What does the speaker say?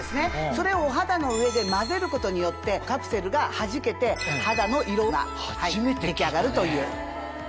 それをお肌の上で混ぜることによってカプセルがはじけて肌の色が出来上がるという。